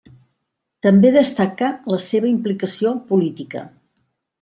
També destaca la seva implicació política.